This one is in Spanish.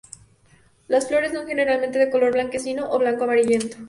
Las flores son generalmente de color blanquecino a blanco amarillento.